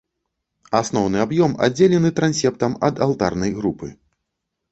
Асноўны аб'ём аддзелены трансептам ад алтарнай групы.